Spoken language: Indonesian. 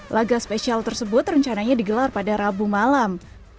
laga spesial tersebut rencananya digelar pada rabu malam